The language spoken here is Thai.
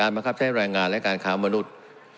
บังคับใช้แรงงานและการค้ามนุษย์